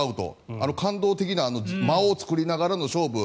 あの感動的な間を作りながらの勝負。